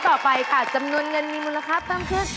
ท่อต่อไปค่ะจำนวนเงินมีมูลค่าต้องขึ้น